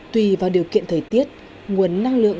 tùy vào điều kiện thời tiết nguồn năng lượng